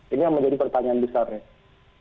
ini yang menjadi pertanyaan besarnya